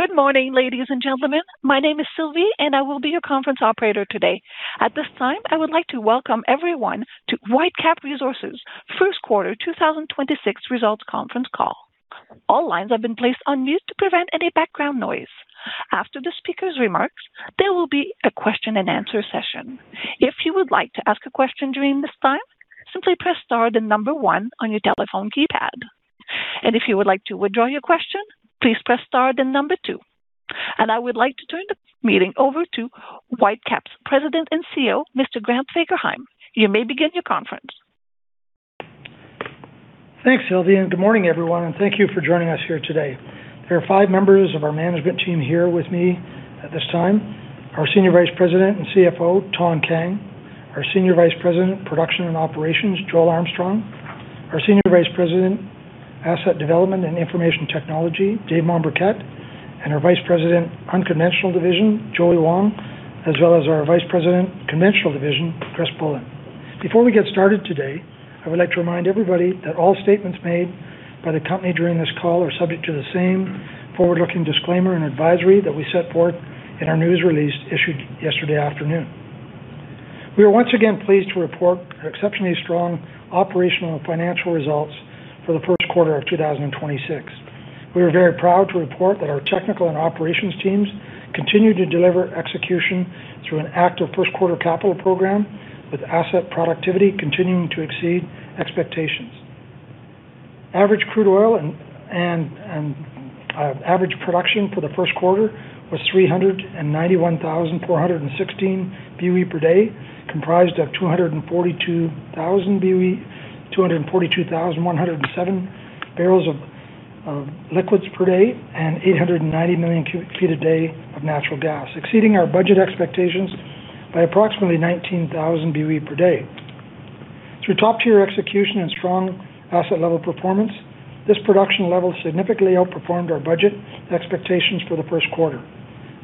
Good morning, ladies and gentlemen. My name is Sylvie, and I will be your conference operator today. At this time, I would like to welcome everyone to Whitecap Resources first quarter 2026 results conference call. All lines have been placed on mute to prevent any background noise. After the speaker's remarks, there will be a question and answer session. If you would like to ask a question during this time, simply press star one on your telephone keypad. If you would like to withdraw your question, please press star two. I would like to turn the meeting over to Whitecap's President and CEO, Mr. Grant Fagerheim. You may begin your conference. Thanks, Sylvie, and good morning, everyone, and thank you for joining us here today. There are five members of our management team here with me at this time. Our Senior Vice President and CFO, Thanh Kang, our Senior Vice President, Production and Operations, Joel Armstrong, our Senior Vice President, Asset Development and Information Technology, David Mombourquette, and our Vice President, Unconventional Division, Joey Wong, as well as our Vice President, Conventional Division, Chris Bullin. Before we get started today, I would like to remind everybody that all statements made by the company during this call are subject to the same forward-looking disclaimer and advisory that we set forth in our news release issued yesterday afternoon. We are once again pleased to report exceptionally strong operational and financial results for the first quarter of 2026. We are very proud to report that our technical and operations teams continue to deliver execution through an active first quarter capital program, with asset productivity continuing to exceed expectations. Average crude oil and average production for the first quarter was 391,416 BOE per day, comprised of 242,107 barrels of liquids per day and 890 million cu-feet a day of natural gas, exceeding our budget expectations by approximately 19,000 BOE per day. Through top-tier execution and strong asset level performance, this production level significantly outperformed our budget expectations for the first quarter.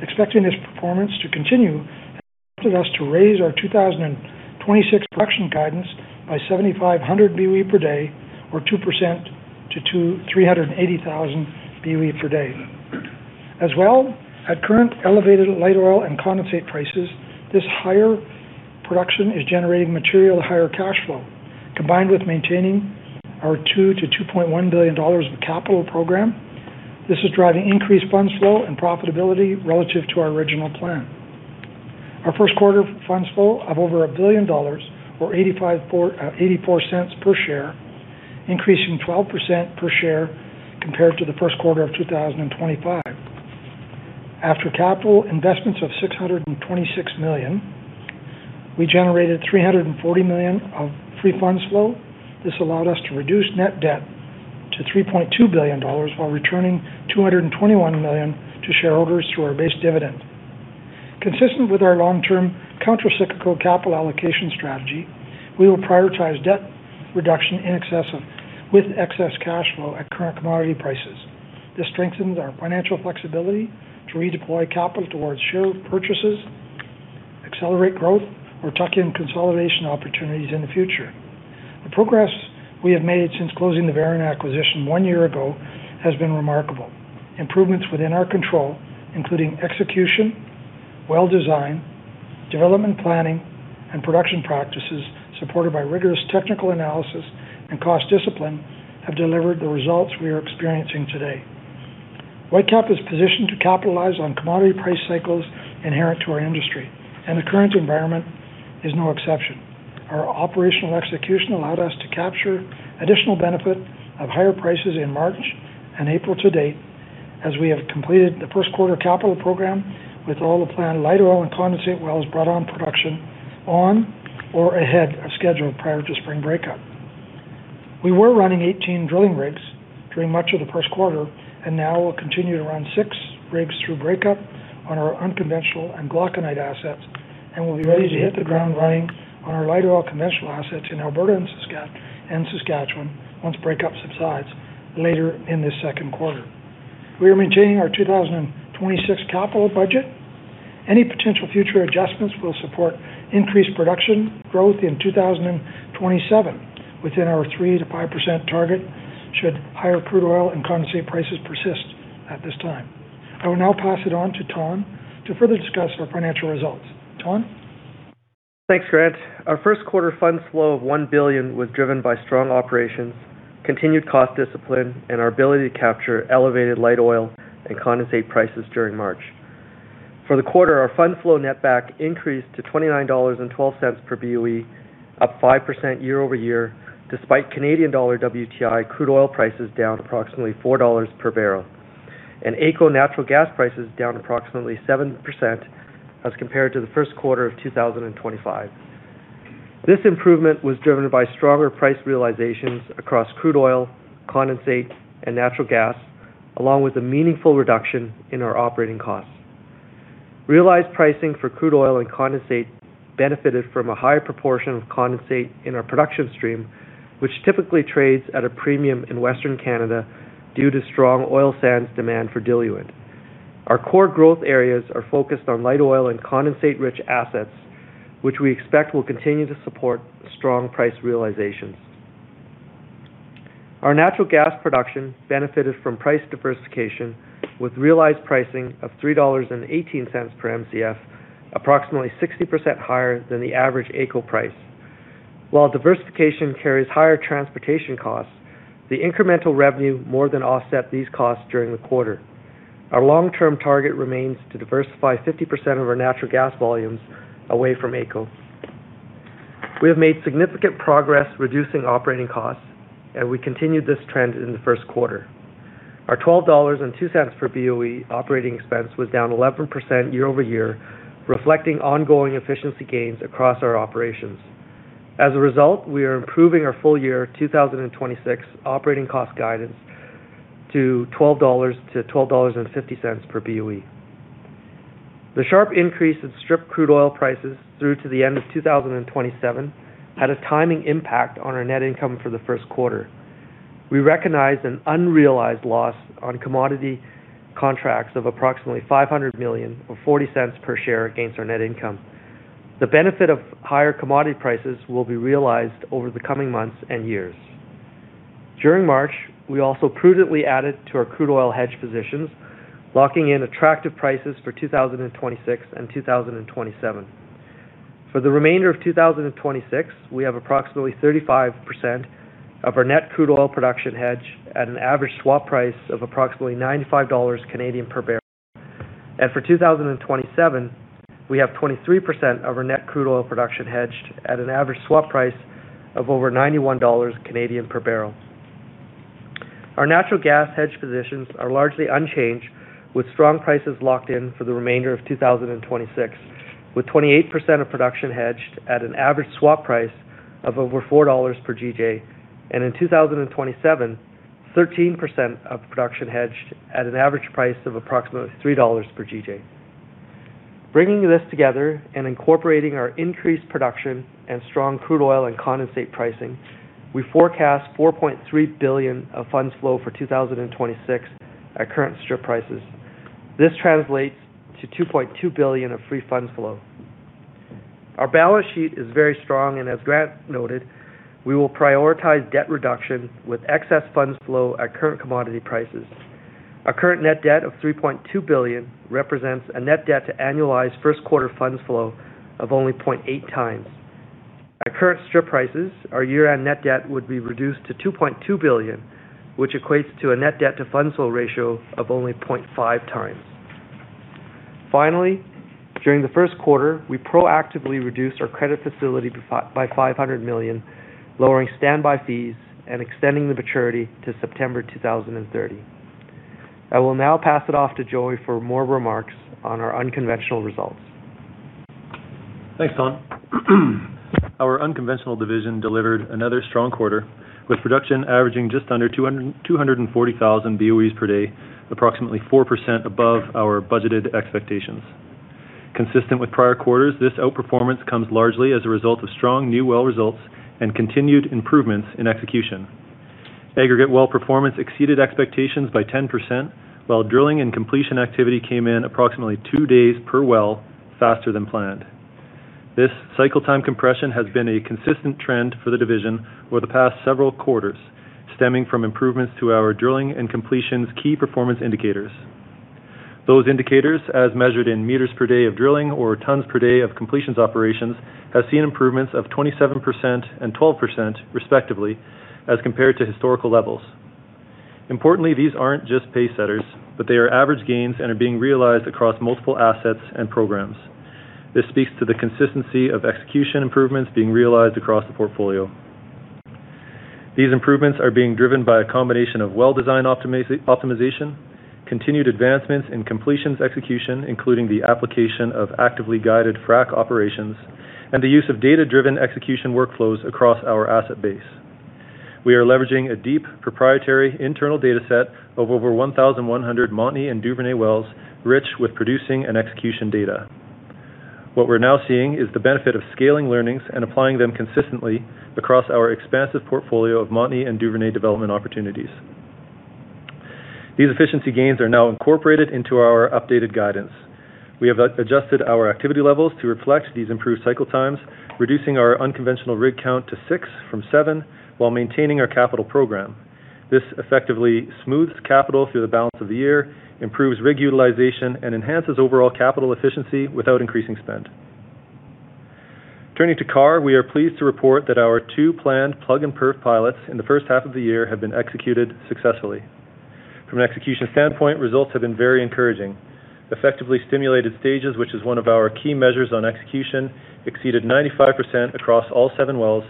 Expecting this performance to continue has prompted us to raise our 2026 production guidance by 7,500 BOE per day or 2% to 380,000 BOE per day. As well, at current elevated light oil and condensate prices, this higher production is generating material higher cash flow. Combined with maintaining our 2 billion-2.1 billion dollars in capital program, this is driving increased funds flow and profitability relative to our original plan. Our first quarter funds flow of over 1 billion dollars or 0.84 per share, increasing 12% per share compared to the first quarter of 2025. After capital investments of 626 million, we generated 340 million of free funds flow. This allowed us to reduce net debt to 3.2 billion dollars while returning 221 million to shareholders through our base dividend. Consistent with our long-term countercyclical capital allocation strategy, we will prioritize debt reduction with excess cash flow at current commodity prices. This strengthens our financial flexibility to redeploy capital towards share purchases, accelerate growth or tuck-in consolidation opportunities in the future. The progress we have made since closing the Veren acquisition one year ago has been remarkable. Improvements within our control, including execution, well design, development planning, and production practices, supported by rigorous technical analysis and cost discipline, have delivered the results we are experiencing today. Whitecap is positioned to capitalize on commodity price cycles inherent to our industry, and the current environment is no exception. Our operational execution allowed us to capture additional benefit of higher prices in March and April to date, as we have completed the first quarter capital program with all the planned light oil and condensate wells brought on production on or ahead of schedule prior to spring breakup. We were running 18 drilling rigs during much of the first quarter, and now we'll continue to run six rigs through breakup on our unconventional and Glauconite assets, and we'll be ready to hit the ground running on our light oil conventional assets in Alberta and Saskatchewan once breakup subsides later in the second quarter. We are maintaining our 2026 capital budget. Any potential future adjustments will support increased production growth in 2027 within our 3%-5% target should higher crude oil and condensate prices persist at this time. I will now pass it on to Thanh Kang to further discuss our financial results. Thanh Kang? Thanks, Grant. Our first quarter funds flow of 1 billion was driven by strong operations, continued cost discipline, and our ability to capture elevated light oil and condensate prices during March. For the quarter, our funds flow net back increased to 29.12 dollars per BOE, up 5% year-over-year, despite Canadian dollar WTI crude oil prices down approximately 4 dollars per barrel, and AECO natural gas prices down approximately 7% as compared to the first quarter of 2025. This improvement was driven by stronger price realizations across crude oil, condensate, and natural gas, along with a meaningful reduction in our operating costs. Realized pricing for crude oil and condensate benefited from a higher proportion of condensate in our production stream, which typically trades at a premium in Western Canada due to strong oil sandsdemand for diluent. Our core growth areas are focused on light oil and condensate-rich assets, which we expect will continue to support strong price realizations. Our natural gas production benefited from price diversification with realized pricing of 3.18 dollars per MCF, approximately 60% higher than the average AECO price. While diversification carries higher transportation costs, the incremental revenue more than offset these costs during the quarter. Our long-term target remains to diversify 50% of our natural gas volumes away from AECO. We have made significant progress reducing operating costs, and we continued this trend in the first quarter. Our 12.02 dollars per BOE operating expense was down 11% year-over-year, reflecting ongoing efficiency gains across our operations. As a result, we are improving our full-year 2026 operating cost guidance to 12-12.50 dollars per BOE. The sharp increase in strip crude oil prices through to the end of 2027 had a timing impact on our net income for the 1st quarter. We recognized an unrealized loss on commodity contracts of approximately 500 million, or 0.40 per share against our net income. The benefit of higher commodity prices will be realized over the coming months and years. During March, we also prudently added to our crude oil hedge positions, locking in attractive prices for 2026 and 2027. For the remainder of 2026, we have approximately 35% of our net crude oil production hedged at an average swap price of approximately 95 Canadian dollars per barrel. For 2027, we have 23% of our net crude oil production hedged at an average swap price of over 91 Canadian dollars per barrel. Our natural gas hedge positions are largely unchanged, with strong prices locked in for the remainder of 2026, with 28% of production hedged at an average swap price of over 4 dollars per GJ, and in 2027, 13% of production hedged at an average price of approximately 3 dollars per GJ. Bringing this together and incorporating our increased production and strong crude oil and condensate pricing, we forecast 4.3 billion of funds flow for 2026 at current strip prices. This translates to 2.2 billion of free funds flow. Our balance sheet is very strong, as Grant noted, we will prioritize debt reduction with excess funds flow at current commodity prices. Our current net debt of 3.2 billion represents a net debt to annualized first quarter funds flow of only 0.8x. At current strip prices, our year-end net debt would be reduced to 2.2 billion, which equates to a net debt to funds flow ratio of only 0.5x. Finally, during the first quarter, we proactively reduced our credit facility by 500 million, lowering standby fees and extending the maturity to September 2030. I will now pass it off to Joey for more remarks on our Unconventional results. Thanks, Thanh. Our Unconventional Division delivered another strong quarter, with production averaging just under 240,000 BOEs per day, approximately 4% above our budgeted expectations. Consistent with prior quarters, this outperformance comes largely as a result of strong new well results and continued improvements in execution. Aggregate well performance exceeded expectations by 10%, while drilling and completion activity came in approximately two days per well faster than planned. This cycle time compression has been a consistent trend for the division over the past several quarters, stemming from improvements to our drilling and completions Key Performance Indicators. Those indicators, as measured in meters per day of drilling or tons per day of completions operations, have seen improvements of 27% and 12% respectively as compared to historical levels. Importantly, these aren't just pacesetters, but they are average gains and are being realized across multiple assets and programs. This speaks to the consistency of execution improvements being realized across the portfolio. These improvements are being driven by a combination of well design optimization, continued advancements in completions execution, including the application of actively guided frac operations, and the use of data-driven execution workflows across our asset base. We are leveraging a deep proprietary internal data set of over 1,100 Montney and Duvernay wells rich with producing and execution data. What we're now seeing is the benefit of scaling learnings and applying them consistently across our expansive portfolio of Montney and Duvernay development opportunities. These efficiency gains are now incorporated into our updated guidance. We have adjusted our activity levels to reflect these improved cycle times, reducing our unconventional rig count to six from seven while maintaining our capital program. This effectively smooths capital through the balance of the year, improves rig utilization, and enhances overall capital efficiency without increasing spend. Turning to Karr, we are pleased to report that our two planned plug-and-perf pilots in the 1st half of the year have been executed successfully. From an execution standpoint, results have been very encouraging. Effectively stimulated stages, which is one of our key measures on execution, exceeded 95% across all seven wells,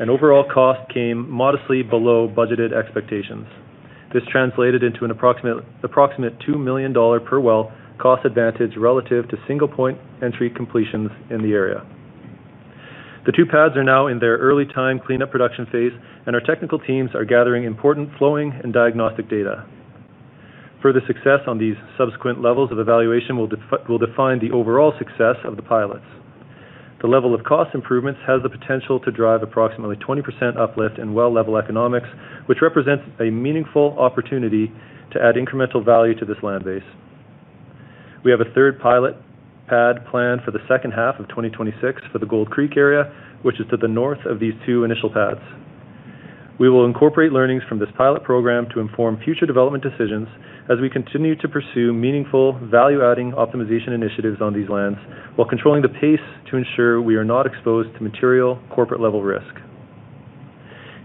and overall cost came modestly below budgeted expectations. This translated into an approximate 2 million dollar per well cost advantage relative to single-point entry completions in the area. The two pads are now in their early-time cleanup production phase, and our technical teams are gathering important flowing and diagnostic data. Further success on these subsequent levels of evaluation will define the overall success of the pilots. The level of cost improvements has the potential to drive approximately 20% uplift in well-level economics, which represents a meaningful opportunity to add incremental value to this land base. We have a third pilot pad planned for the second half of 2026 for the Gold Creek area, which is to the north of these two initial pads. We will incorporate learnings from this pilot program to inform future development decisions as we continue to pursue meaningful value-adding optimization initiatives on these lands while controlling the pace to ensure we are not exposed to material corporate-level risk.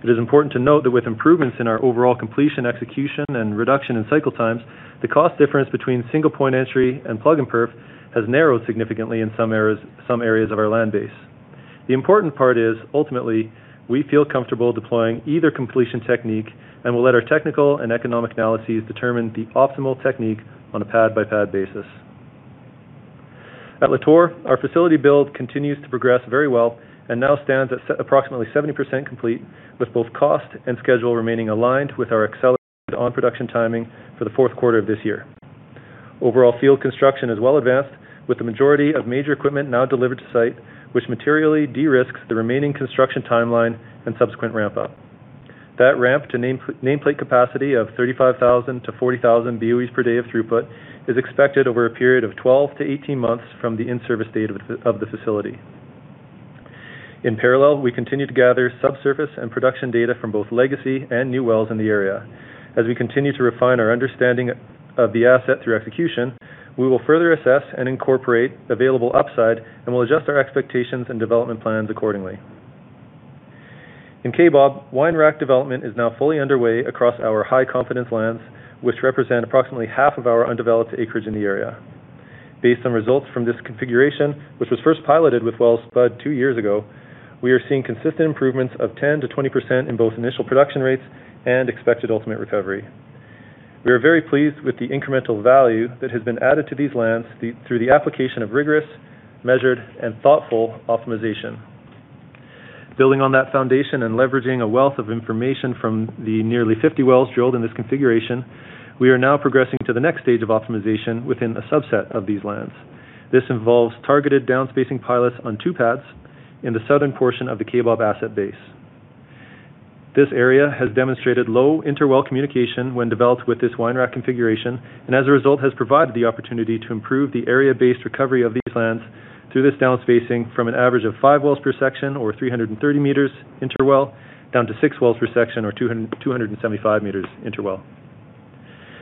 It is important to note that with improvements in our overall completion execution and reduction in cycle times, the cost difference between single-point entry and plug-and-perf has narrowed significantly in some areas of our land base. The important part is ultimately, we feel comfortable deploying either completion technique and will let our technical and economic analyses determine the optimal technique on a pad-by-pad basis. At Lator, our facility build continues to progress very well and now stands at approximately 70% complete, with both cost and schedule remaining aligned with our accelerated on-production timing for the fourth quarter of this year. Overall field construction is well advanced, with the majority of major equipment now delivered to site, which materially de-risks the remaining construction timeline and subsequent ramp up. That ramp to nameplate capacity of 35,000 to 40,000 BOEs per day of throughput is expected over a period of 12 to 18 months from the in-service date of the facility. In parallel, we continue to gather subsurface and production data from both legacy and new wells in the area. As we continue to refine our understanding of the asset through execution, we will further assess and incorporate available upside and will adjust our expectations and development plans accordingly. In Karr, wine rack development is now fully underway across our high confidence lands, which represent approximately half of our undeveloped acreage in the area. Based on results from this configuration, which was first piloted with Wells Spud two years ago, we are seeing consistent improvements of 10%-20% in both initial production rates and expected ultimate recovery. We are very pleased with the incremental value that has been added to these lands through the application of rigorous, measured, and thoughtful optimization. Building on that foundation and leveraging a wealth of information from the nearly 50 wells drilled in this configuration, we are now progressing to the next stage of optimization within a subset of these lands. This involves targeted downspacing pilots on 2 pads in the southern portion of the Karr asset base. This area has demonstrated low interwell communication when developed with this wine rack configuration, and as a result, has provided the opportunity to improve the area-based recovery of these lands through this downspacing from an average of five wells per section or 330 m interwell, down to six wells per section or 275 m interwell.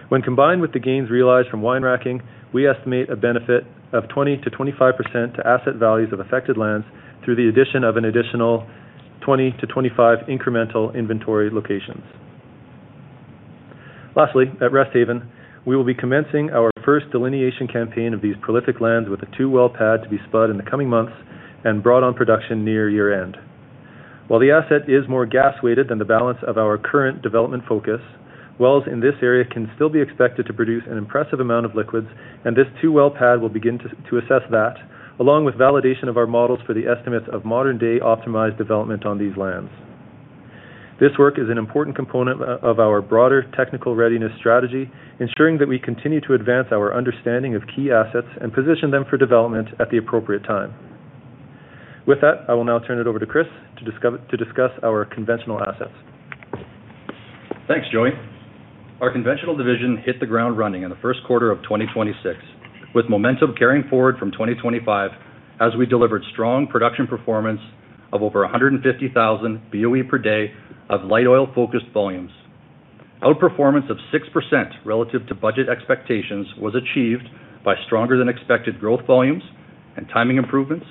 When combined with the gains realized from wine racking, we estimate a benefit of 20%-25% to asset values of affected lands through the addition of an additional 20-25 incremental inventory locations. Lastly, at Resthaven, we will be commencing our first delineation campaign of these prolific lands with a two-well pad to be spud in the coming months and brought on production near year-end. While the asset is more gas-weighted than the balance of our current development focus, wells in this area can still be expected to produce an impressive amount of liquids, and this two-well pad will begin to assess that, along with validation of our models for the estimates of modern-day optimized development on these lands. This work is an important component of our broader technical readiness strategy, ensuring that we continue to advance our understanding of key assets and position them for development at the appropriate time. With that, I will now turn it over to Chris to discuss our conventional assets. Thanks, Joey. Our conventional division hit the ground running in the 1st quarter of 2026, with momentum carrying forward from 2025 as we delivered strong production performance of over 150,000 BOE per day of light oil-focused volumes. Outperformance of 6% relative to budget expectations was achieved by stronger than expected growth volumes and timing improvements,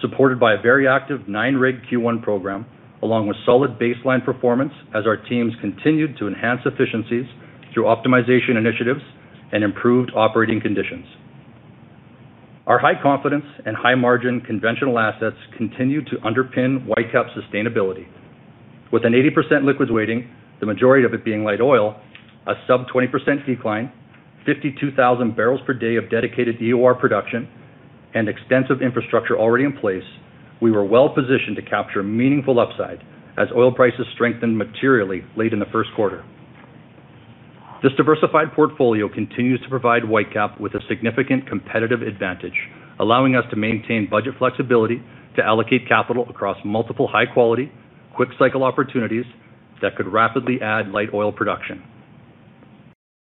supported by a very active nine-rig Q1 program, along with solid baseline performance as our teams continued to enhance efficiencies through optimization initiatives and improved operating conditions. Our high confidence and high margin conventional assets continue to underpin Whitecap's sustainability. With an 80% liquids weighting, the majority of it being light oil, a sub 20% decline, 52,000 barrels per day of dedicated EOR production and extensive infrastructure already in place, we were well-positioned to capture meaningful upside as oil prices strengthened materially late in the first quarter. This diversified portfolio continues to provide Whitecap with a significant competitive advantage, allowing us to maintain budget flexibility to allocate capital across multiple high quality, quick cycle opportunities that could rapidly add light oil production.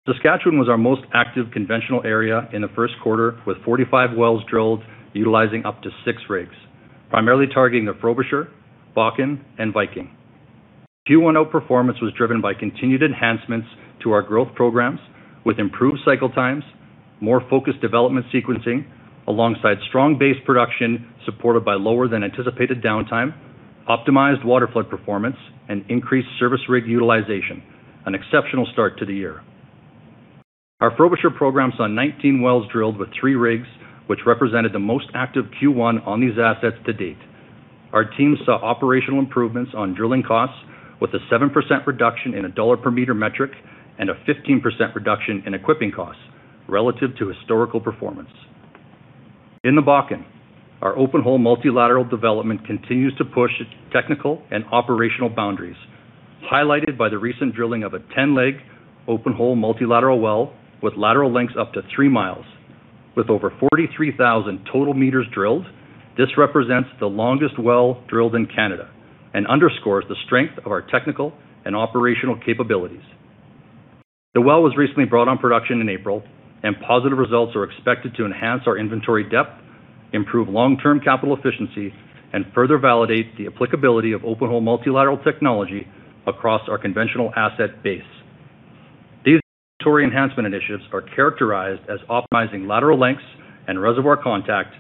Saskatchewan was our most active conventional area in the first quarter, with 45 wells drilled utilizing up to six rigs, primarily targeting the Frobisher, Bakken, and Viking. Q1 outperformance was driven by continued enhancements to our growth programs with improved cycle times, more focused development sequencing alongside strong base production supported by lower than anticipated downtime, optimized waterflood performance, and increased service rig utilization, an exceptional start to the year. Our Frobisher programs saw 19 wells drilled with three rigs, which represented the most active Q1 on these assets to date. Our team saw operational improvements on drilling costs with a 7% reduction in a CAD per meter metric and a 15% reduction in equipping costs relative to historical performance. In the Bakken, our open hole multilateral development continues to push its technical and operational boundaries, highlighted by the recent drilling of a 10-leg open hole multilateral well with lateral lengths up to 3 miles. With over 43,000 total meters drilled. This represents the longest well drilled in Canada and underscores the strength of our technical and operational capabilities. The well was recently brought on production in April, and positive results are expected to enhance our inventory depth, improve long-term capital efficiency, and further validate the applicability of open hole multilateral technology across our conventional asset base. These inventory enhancement initiatives are characterized as optimizing lateral lengths and reservoir contact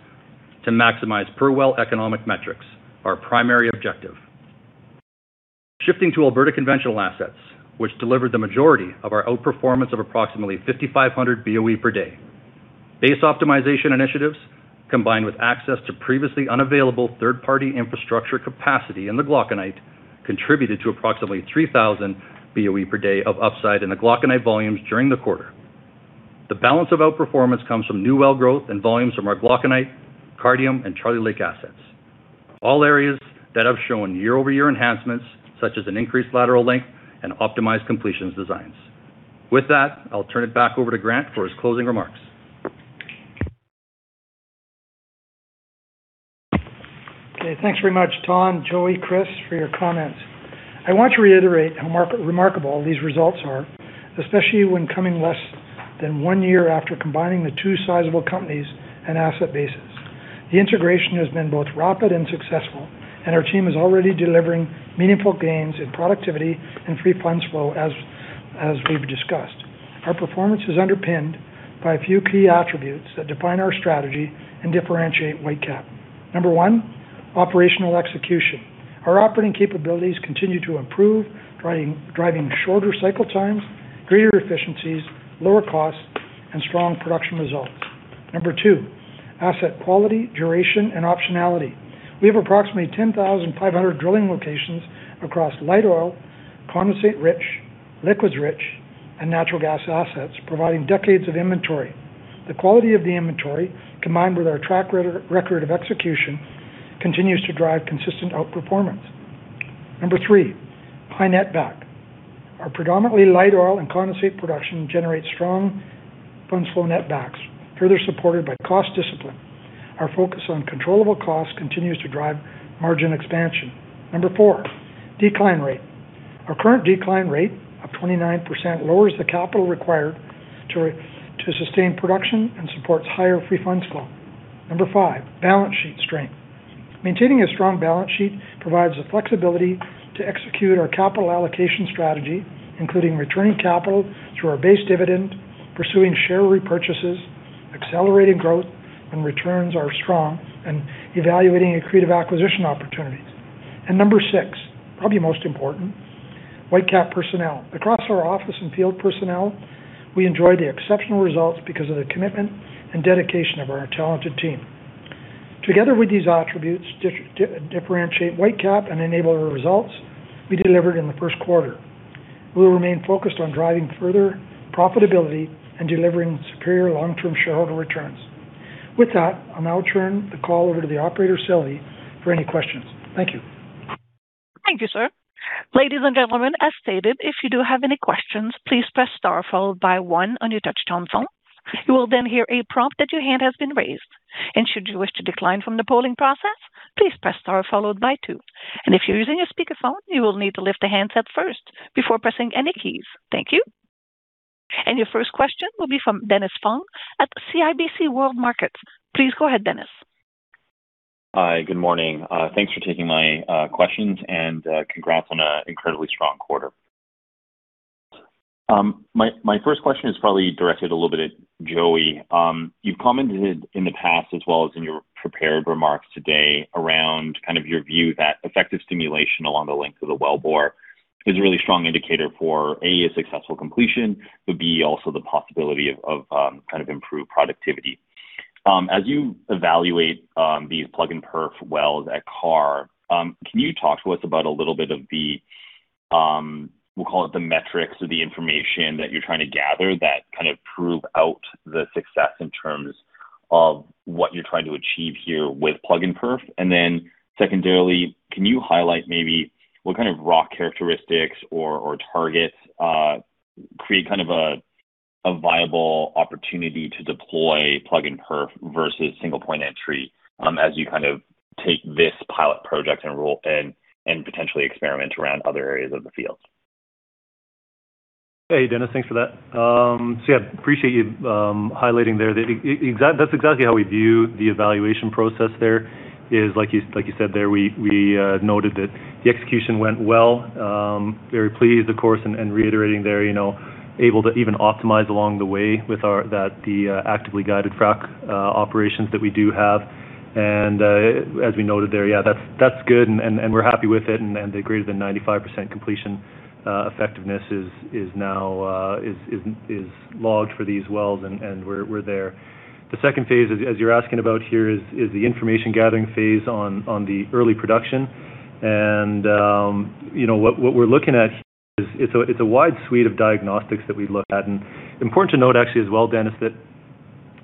to maximize per well economic metrics, our primary objective. Shifting to Alberta conventional assets, which delivered the majority of our outperformance of approximately 5,500 BOE per day. Base optimization initiatives, combined with access to previously unavailable third-party infrastructure capacity in the Glauconite, contributed to approximately 3,000 BOE per day of upside in the Glauconite volumes during the quarter. The balance of outperformance comes from new well growth and volumes from our Glauconite, Cardium, and Charlie Lake assets. All areas that have shown year-over-year enhancements, such as an increased lateral length and optimized completions designs. With that, I'll turn it back over to Grant for his closing remarks. Okay. Thanks very much, Thanh Kang, Joey Wong, Chris Bullin, for your comments. I want to reiterate how remarkable these results are, especially when coming less than one year after combining the two sizable companies and asset bases. The integration has been both rapid and successful, and our team is already delivering meaningful gains in productivity and free funds flow as we've discussed. Our performance is underpinned by a few key attributes that define our strategy and differentiate Whitecap. Number one, operational execution. Our operating capabilities continue to improve, driving shorter cycle times, greater efficiencies, lower costs, and strong production results. Number two, asset quality, duration, and optionality. We have approximately 10,500 drilling locations across light oil, condensate rich, liquids rich, and natural gas assets, providing decades of inventory. The quality of the inventory, combined with our track record of execution, continues to drive consistent outperformance. Number three, high netback. Our predominantly light oil and condensate production generates strong funds flow netbacks, further supported by cost discipline. Our focus on controllable costs continues to drive margin expansion. Number four, decline rate. Our current decline rate of 29% lowers the capital required to sustain production and supports higher free funds flow. Number five, balance sheet strength. Maintaining a strong balance sheet provides the flexibility to execute our capital allocation strategy, including returning capital through our base dividend, pursuing share repurchases, accelerating growth when returns are strong, and evaluating accretive acquisition opportunities. Number six, probably most important, Whitecap personnel. Across our office and field personnel, we enjoy the exceptional results because of the commitment and dedication of our talented team. Together with these attributes, differentiate Whitecap and enable our results we delivered in the first quarter. We'll remain focused on driving further profitability and delivering superior long-term shareholder returns. With that, I'll now turn the call over to the operator, Sylvie, for any questions. Thank you. Thank you, sir. Ladies and gentlemen, as stated, if you do have any questions, please press star followed by one on your touchtone phone. You will then hear a prompt that your hand has been raised. Should you wish to decline from the polling process, please press star followed by two. If you're using a speakerphone, you will need to lift the handset first before pressing any keys. Thank you. Your first question will be from Dennis Fong at CIBC World Markets. Please go ahead, Dennis. Hi. Good morning. Thanks for taking my questions, congrats on a incredibly strong quarter. My first question is probably directed a little bit at Joey. You've commented in the past as well as in your prepared remarks today around kind of your view that effective stimulation along the length of the wellbore is a really strong indicator for, A, a successful completion, but B, also the possibility of improved productivity. As you evaluate these plug-and-perf wells at Karr, can you talk to us about a little bit of the, we'll call it the metrics or the information that you're trying to gather that kind of prove out the success in terms of what you're trying to achieve here with plug-and-perf? Secondarily, can you highlight maybe what kind of rock characteristics or targets create kind of a viable opportunity to deploy plug-and-perf versus single-point entry, as you kind of take this pilot project and roll and potentially experiment around other areas of the field? Hey, Dennis. Thanks for that. Yeah, appreciate you highlighting there. That's exactly how we view the evaluation process there is, like you, like you said there, we noted that the execution went well. Very pleased, of course, reiterating there, able to even optimize along the way with that the actively guided frac operations that we do have. As we noted there, that's good, we're happy with it, the greater than 95% completion effectiveness is now logged for these wells, we're there. The second phase, as you're asking about here, is the information gathering phase on the early production. You know, what we're looking at here is it's a wide suite of diagnostics that we look at. Important to note actually as well, Dennis, that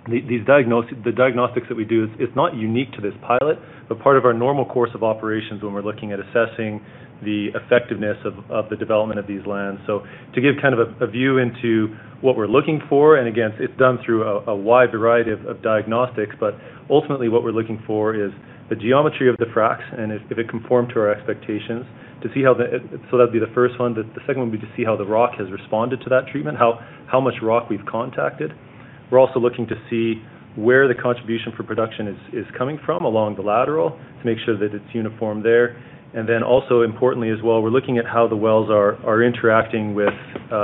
the diagnostics that we do is not unique to this pilot, but part of our normal course of operations when we're looking at assessing the effectiveness of the development of these lands. To give kind of a view into what we're looking for, and again, it's done through a wide variety of diagnostics, but ultimately what we're looking for is the geometry of the fracs and if it conformed to our expectations. That'd be the first one. The second one would be to see how the rock has responded to that treatment, how much rock we've contacted. We're also looking to see where the contribution for production is coming from along the lateral to make sure that it's uniform there. Also importantly as well, we're looking at how the wells are interacting with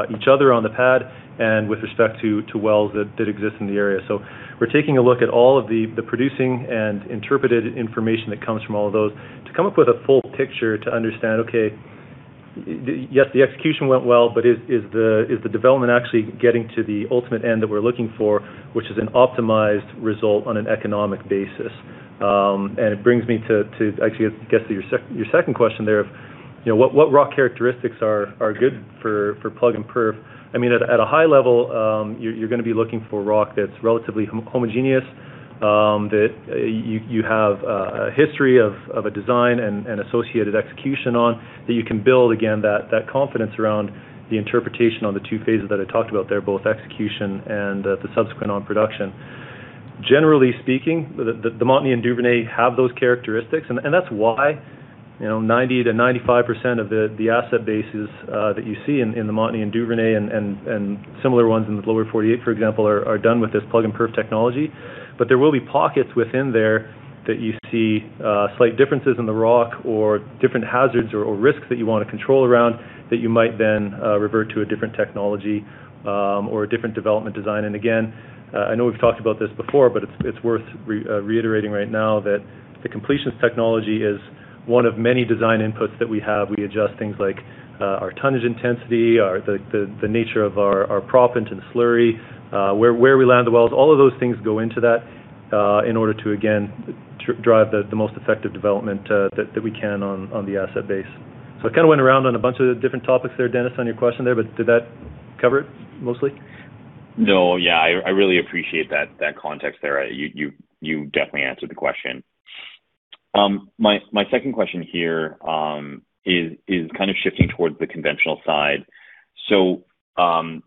each other on the pad and with respect to wells that exist in the area. We're taking a look at all of the producing and interpreted information that comes from all of those to come up with a full picture to understand, okay, yes, the execution went well, but is the development actually getting to the ultimate end that we're looking for, which is an optimized result on an economic basis. It brings me to actually get to your second question there of, you know, what rock characteristics are good for plug-and-perf. I mean, at a high level, you're gonna be looking for rock that's relatively homogeneous, that you have a history of a design and associated execution on that you can build again, that confidence around the interpretation on the twtwo phases that I talked about there, both execution and the subsequent on production. Generally speaking, the Montney and Duvernay have those characteristics and that's why, you know, 90%-95% of the asset bases that you see in the Montney and Duvernay and similar ones in the lower 48, for example, are done with this plug-and-perf technology. There will be pockets within there that you see slight differences in the rock or different hazards or risks that you want to control around that you might then revert to a different technology or a different development design. Again, I know we've talked about this before, but it's worth reiterating right now that the completions technology is one of many design inputs that we have. We adjust things like our tonnage intensity, our the nature of our proppant and slurry, where we land the wells. All of those things go into that in order to again drive the most effective development that we can on the asset base. I kinda went around on a bunch of different topics there, Dennis, on your question there, but did that cover it mostly? No. I really appreciate that context there. You definitely answered the question. My second question here is kind of shifting towards the conventional side.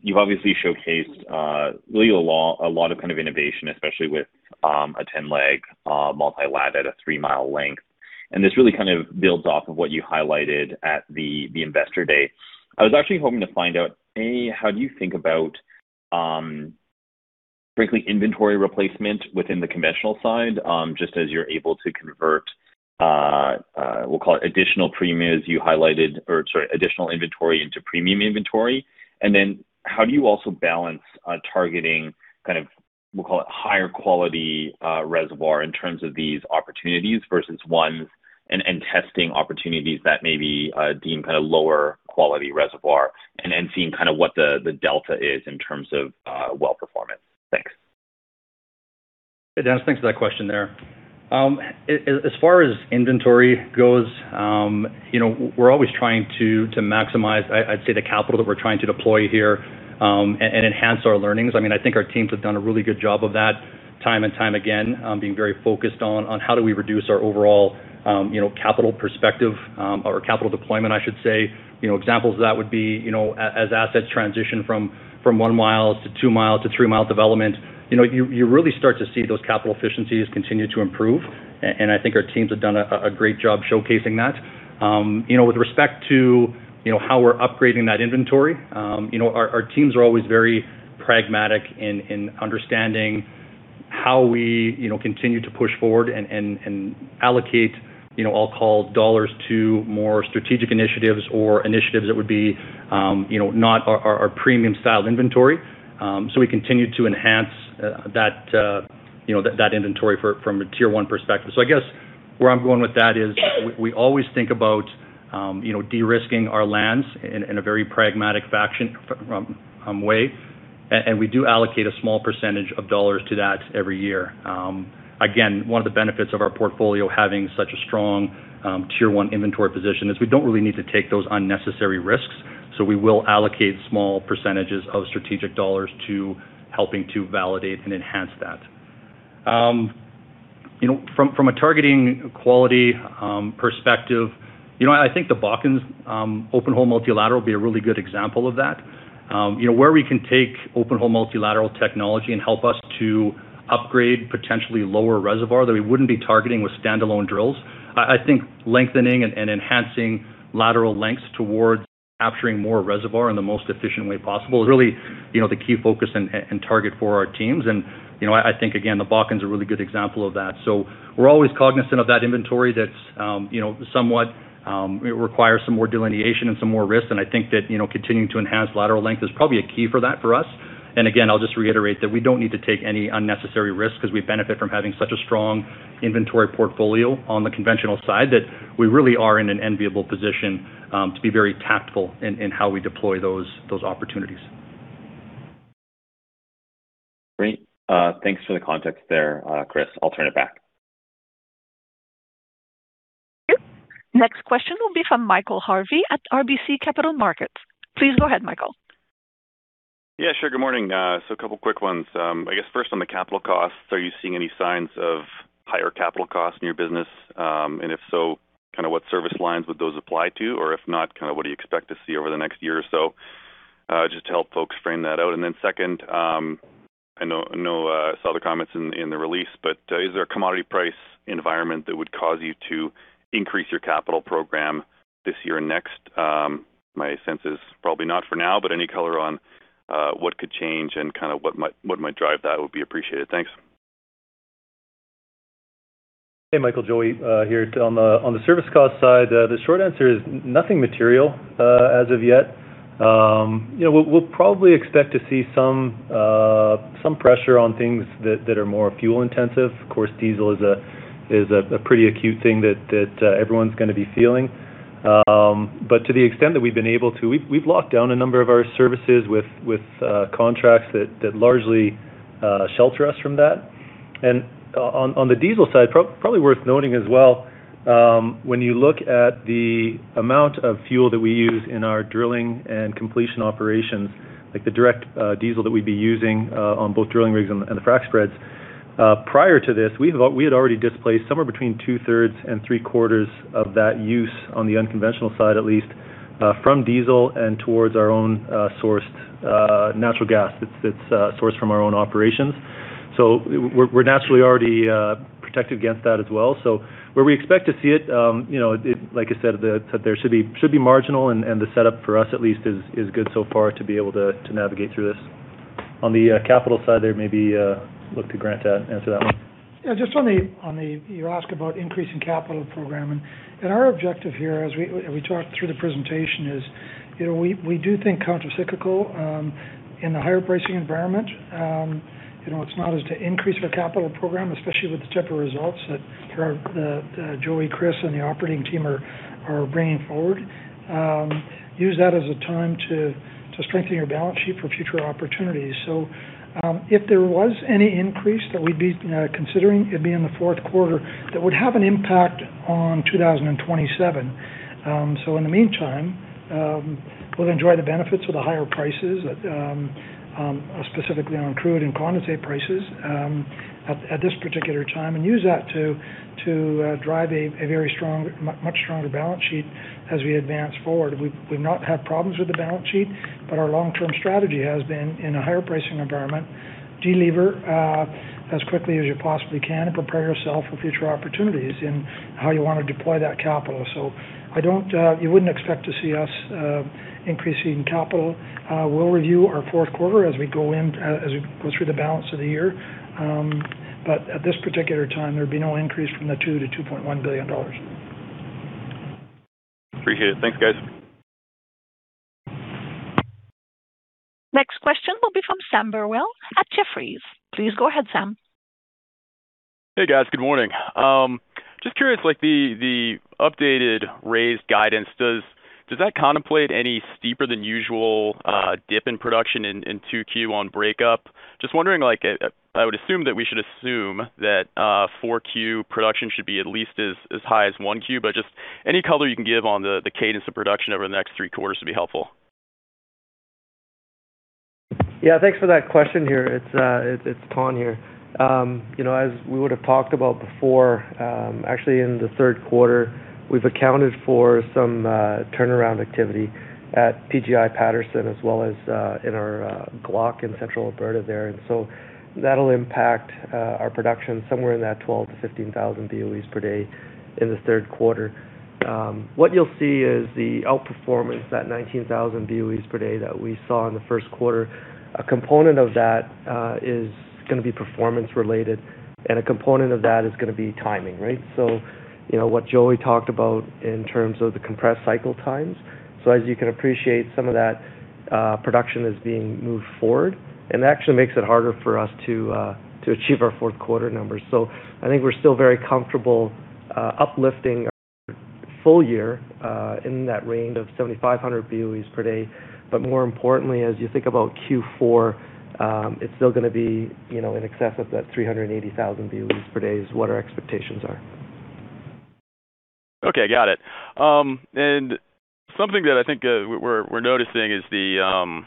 You've obviously showcased a lot of kind of innovation, especially with a 10-leg multi-lat at a 3-mile length. This really kind of builds off of what you highlighted at the investor date. I was actually hoping to find out how do you think about frankly, inventory replacement within the conventional side, just as you're able to convert additional premiums you highlighted or, sorry, additional inventory into premium inventory. How do you also balance targeting kind of, we'll call it higher quality reservoir in terms of these opportunities versus ones and testing opportunities that may be deemed kinda lower quality reservoir and then seeing kinda what the delta is in terms of well performance. Thanks. Hey, Dennis. Thanks for that question there. As far as inventory goes, you know, we're always trying to maximize, I'd say, the capital that we're trying to deploy here, and enhance our learnings. I mean, I think our teams have done a really good job of that time and time again, being very focused on how do we reduce our overall, you know, capital perspective, or capital deployment, I should say. You know, examples of that would be, you know, as assets transition from 1 mile to 2 mile to 3-mile development, you know, you really start to see those capital efficiencies continue to improve. I think our teams have done a great job showcasing that. You know, with respect to, you know, how we're upgrading that inventory, you know, our teams are always very pragmatic in understanding how we, you know, continue to push forward and, and allocate, you know, I'll call dollars to more strategic initiatives or initiatives that would be, you know, not our, our premium styled inventory. We continue to enhance that, you know, that inventory from a tier one perspective. I guess where I'm going with that is we always think about, you know, de-risking our lands in a very pragmatic fashion, way. We do allocate a small percentage of dollar to that every year. Again, one of the benefits of our portfolio having such a strong, tier one inventory position is we don't really need to take those unnecessary risks. We will allocate small percentages of strategic dollars to helping to validate and enhance that. You know, from a targeting quality perspective, you know, I think the Bakken's open hole multilateral will be a really good example of that. You know, where we can take open hole multilateral technology and help us to upgrade potentially lower reservoir that we wouldn't be targeting with standalone drills. I think lengthening and enhancing lateral lengths towards capturing more reservoir in the most efficient way possible is really, you know, the key focus and target for our teams. You know, I think again, the Bakken's a really good example of that. We're always cognizant of that inventory that's, you know, somewhat, it requires some more delineation and some more risk. I think that, you know, continuing to enhance lateral length is probably a key for that for us. Again, I'll just reiterate that we don't need to take any unnecessary risk 'cause we benefit from having such a strong inventory portfolio on the conventional side, that we really are in an enviable position, to be very tactful in how we deploy those opportunities. Great. Thanks for the context there, Chris. I'll turn it back. Next question will be from Michael Harvey at RBC Capital Markets. Please go ahead, Michael. Yeah, sure. Good morning. A couple quick ones. I guess first on the capital costs, are you seeing any signs of higher capital costs in your business? If so, kinda what service lines would those apply to? If not, kinda what do you expect to see over the next year or so? Just to help folks frame that out. Second, I know, I know, I saw the comments in the release, is there a commodity price environment that would cause you to increase your capital program this year and next? My sense is probably not for now, any color on what could change and kinda what might drive that would be appreciated. Thanks. Hey, Michael. Joey, here. On the service cost side, the short answer is nothing material as of yet. You know, we'll probably expect to see some pressure on things that are more fuel intensive. Of course, diesel is a pretty acute thing that everyone's gonna be feeling. To the extent that we've been able to, we've locked down a number of our services with contracts that largely shelter us from that. On the diesel side, probably worth noting as well, when you look at the amount of fuel that we use in our drilling and completion operations, like the direct diesel that we'd be using on both drilling rigs and the frac spreads, prior to this we had already displaced somewhere between two thirds and three-quarters of that use on the unconventional side, at least, from diesel and towards our own sourced natural gas that's sourced from our own operations. We're naturally already protected against that as well. Where we expect to see it, you know, it, like I said, that there should be marginal and the setup for us at least is good so far to be able to navigate through this. On the capital side there, maybe, look to Grant to answer that one. Yeah, just on the. You asked about increasing capital programming. Our objective here, as we talked through the presentation is, you know, we do think countercyclical in the higher pricing environment. You know, it's not as to increase the capital program, especially with the type of results that Joey, Chris, and the operating team are bringing forward. Use that as a time to strengthen your balance sheet for future opportunities. If there was any increase that we'd be considering, it'd be in the fourth quarter, that would have an impact on 2027. So in the meantime, we'll enjoy the benefits of the higher prices, specifically on crude and condensate prices, at this particular time, and use that to drive a much stronger balance sheet as we advance forward. We've not had problems with the balance sheet, but our long-term strategy has been in a higher pricing environment. De-lever as quickly as you possibly can and prepare yourself for future opportunities in how you wanna deploy that capital. You wouldn't expect to see us increasing capital. We'll review our fourth quarter as we go through the balance of the year. At this particular time, there'd be no increase from the 2 billion-2.1 billion dollars. Appreciate it. Thanks, guys. Next question will be from Sam Burwell at Jefferies. Please go ahead, Sam. Hey, guys. Good morning. Just curious, like the updated raised guidance, does that contemplate any steeper than usual dip in production in two Q on breakup? Just wondering, like, I would assume that we should assume that four Q production should be at least as high as one Q. Just any color you can give on the cadence of production over the next three quarters would be helpful. Yeah. Thanks for that question here. It's Thanh here. You know, as we would've talked about before, actually in the third quarter, we've accounted for some turnaround activity at PGI Pouce Coupe as well as in our Glauconite in central Alberta there. That'll impact our production somewhere in that 12,000-15,000 BOEs per day in the third quarter. What you'll see is the outperformance, that 19,000 BOEs per day that we saw in the first quarter, a component of that is gonna be performance related, and a component of that is gonna be timing, right? You know, what Joey talked about in terms of the compressed cycle times. As you can appreciate, some of that production is being moved forward, and it actually makes it harder for us to achieve our fourth quarter numbers. I think we're still very comfortable uplifting our full year in that range of 7,500 BOEs per day. More importantly, as you think about Q4, it's still gonna be, you know, in excess of that 380,000 BOEs per day is what our expectations are. Okay. Got it. Something that I think we're noticing is the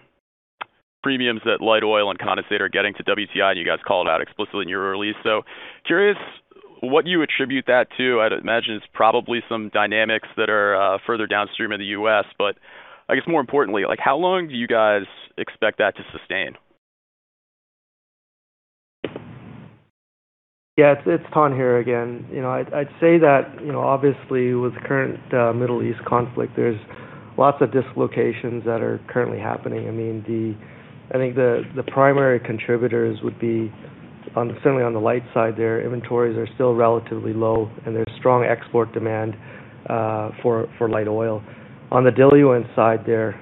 premiums that light oil and condensate are getting to WTI, and you guys called out explicitly in your release. Curious what you attribute that to. I'd imagine it's probably some dynamics that are further downstream in the U.S. I guess more importantly, like how long do you guys expect that to sustain? Yeah, it's Thanh here again. You know, I'd say that, you know, obviously with the current Middle East conflict, there's lots of dislocations that are currently happening. I mean, I think the primary contributors would be certainly on the light side there, inventories are still relatively low, and there's strong export demand for light oil. On the diluent side there,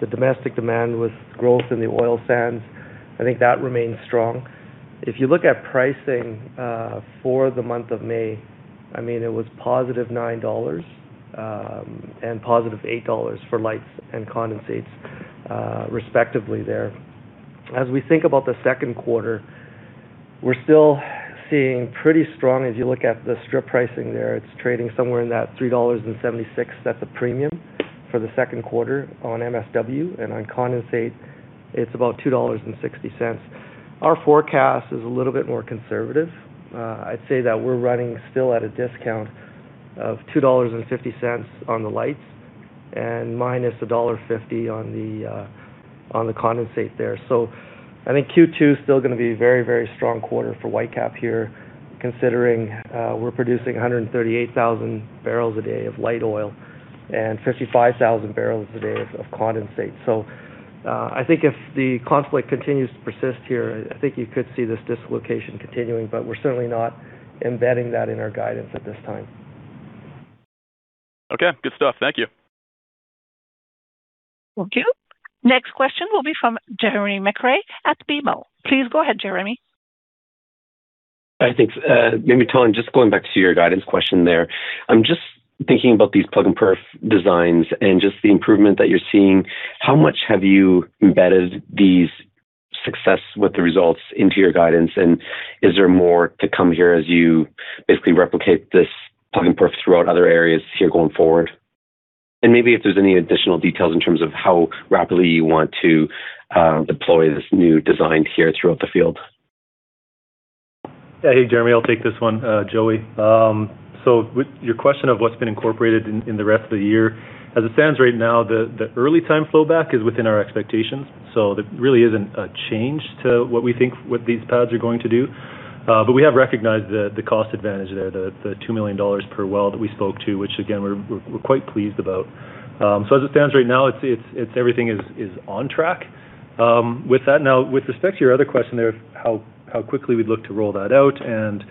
the domestic demand with growth in the oil sands, I think that remains strong. If you look at pricing for the month of May, I mean, it was positive 9 dollars and positive 8 dollars for lights and condensates, respectively there. As we think about the second quarter. We're still seeing pretty strong as you look at the strip pricing there, it's trading somewhere in that 3.76 dollars a premium for the 2nd quarter on MSW and on condensate, it's about 2.60 dollars. Our forecast is a little bit more conservative. I'd say that we're running still at a discount of 2.50 dollars on the lights and minus dollar 1.50 on the condensate there. I think Q2 is still gonna be a very, very strong quarter for Whitecap here, considering we're producing 138,000 barrels a day of light oil and 55,000 barrels a day of condensate. I think if the conflict continues to persist here, I think you could see this dislocation continuing, but we're certainly not embedding that in our guidance at this time. Okay. Good stuff. Thank you. Thank you. Next question will be from Jeremy McCrea at BMO. Please go ahead, Jeremy. I think, maybe, Thanh, just going back to your guidance question there. I'm just thinking about these plug-and-perf designs and just the improvement that you're seeing. How much have you embedded these success with the results into your guidance, and is there more to come here as you basically replicate this plug-and-perf throughout other areas here going forward? Maybe if there's any additional details in terms of how rapidly you want to deploy this new design here throughout the field. Hey, Jeremy, I'll take this one, Joey. With your question of what's been incorporated in the rest of the year, as it stands right now, the early time flowback is within our expectations. There really isn't a change to what we think these pads are going to do. We have recognized the cost advantage there, the 2 million dollars per well that we spoke to, which again, we're quite pleased about. As it stands right now, everything is on track. With that now, with respect to your other question there of how quickly we'd look to roll that out and,